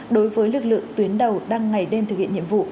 đối với lực lượng tuyến đầu đang ngày đêm thực hiện nhiệm vụ